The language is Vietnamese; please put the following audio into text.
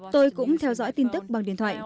tôi cũng theo dõi tin tức bằng điện thoại